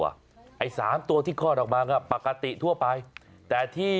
เพื่อนเอาของมาฝากเหรอคะเพื่อนมาดูลูกหมาไงหาถึงบ้านเลยแหละครับ